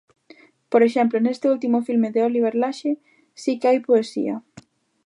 Por exemplo, neste último filme de Óliver Laxe, si que hai poesía.